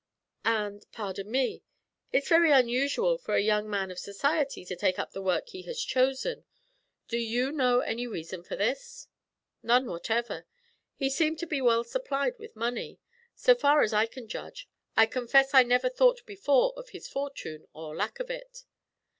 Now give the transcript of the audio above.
'And pardon me it's very unusual for a young man of society to take up the work he has chosen. Do you know any reason for this?' 'None whatever. He seemed to be well supplied with money. So far as I can judge, I confess I never thought before of his fortune or lack of it.'